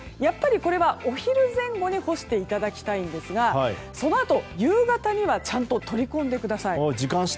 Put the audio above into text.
これは、お昼前後に干していただきたいんですがそのあと夕方にはちゃんと取り込んでください。